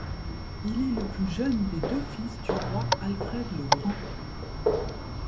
Il est le plus jeune des deux fils du roi Alfred le Grand.